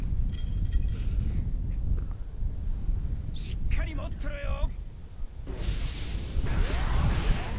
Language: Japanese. しっかり持ってろよ！